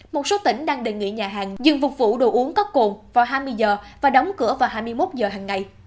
một số tỉnh đang đề nghị nhà hàng dừng phục vụ đồ uống có cồn vào hai mươi h và đóng cửa vào hai mươi một giờ hằng ngày